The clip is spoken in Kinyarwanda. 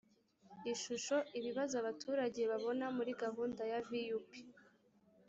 ishusho ibibazo abaturage babona muri gahunda ya vup